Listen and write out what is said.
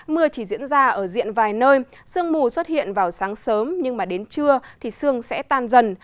mưa chỉ diễn ra ở diện vài nơi sương mù xuất hiện vào sáng sớm nhưng mà đến trưa thì sương sẽ tan dần